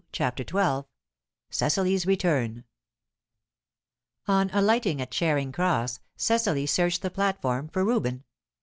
CHAPTER XII CECILY'S RETURN On alighting at Charing Cross, Cecily searched the platform for Reuben.